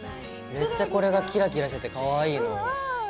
めっちゃこれがキラキラしててかわいいの。